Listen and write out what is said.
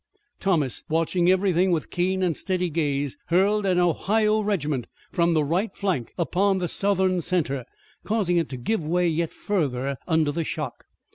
Thomas, watching everything with keen and steady gaze, hurled an Ohio regiment from the right flank upon the Southern center, causing it to give way yet further under the shock.